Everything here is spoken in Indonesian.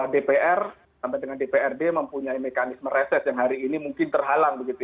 dpr sampai dengan dprd mempunyai mekanisme reses yang hari ini mungkin terhalang